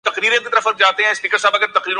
حقیقت بننا آسان نہیں دکھائی دیتا دوسرا مفروضہ